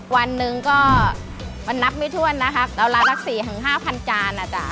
วันนึงก็มันนับไม่ถ้วนนะคะราวราคา๔๐๐๐๕๐๐๐กิโลกรัมอ่ะจ้ะ